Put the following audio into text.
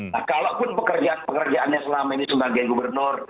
nah kalaupun pekerjaan pekerjaannya selama ini sebagai gubernur